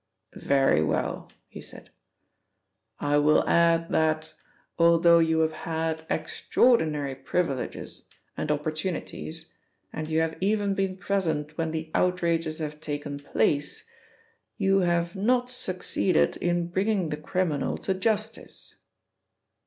"Very well," he said. "I will add that, although you have had extraordinary privileges, and opportunities, and you have even been present when the outrages have taken place, you have not succeeded in bringing the criminal to justice."